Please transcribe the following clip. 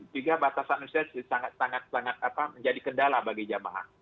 juga batasan usia sangat sangat menjadi kendala bagi jamaah